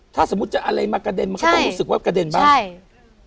มันก็เลยมากระเด็นมันก็ต้องรู้สึกว่ากระเด็นบ้าง